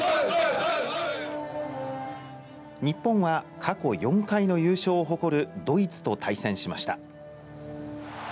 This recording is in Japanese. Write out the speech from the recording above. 日本は過去４回の優勝を誇るドイツと対戦しました。